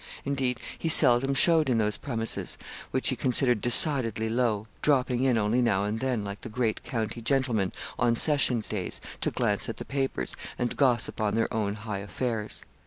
Indeed he seldom showed in those premises, which he considered decidedly low, dropping in only now and then, like the great county gentlemen, on sessions days, to glance at the papers, and gossip on their own high affairs.